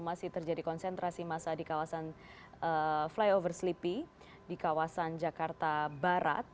masih terjadi konsentrasi massa di kawasan flyover sleepy di kawasan jakarta barat